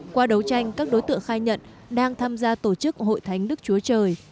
qua đấu tranh các đối tượng khai nhận đang tham gia tổ chức hội thánh đức chúa trời